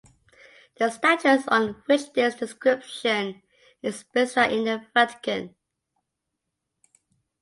The statues on which this description is based are in the Vatican.